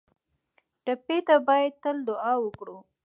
ټپي ته باید تل دعا وکړو